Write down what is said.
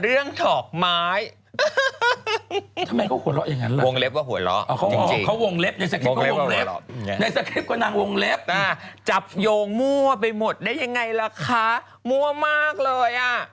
เลือดระดงผ่อนสองหมาย